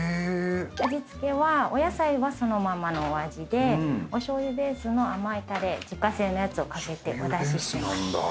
味付けはお野菜はそのままのお味でおしょうゆベースの甘いたれ自家製のやつを掛けてお出ししてます。